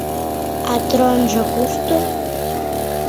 А тронжо кушто?